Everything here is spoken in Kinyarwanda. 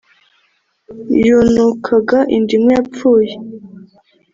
Yunukaga indimu Yapfuye